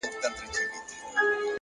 هوډ د نیمګړو امکاناتو ځواک راویښوي.!